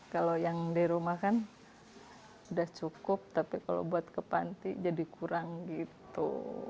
kalau yang di rumah kan sudah cukup tapi kalau buat ke panti jadi kurang gitu